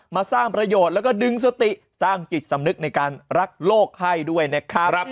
มาสร้างประโยชน์แล้วก็ดึงสติสร้างจิตสำนึกในการรักโลกให้ด้วยนะครับ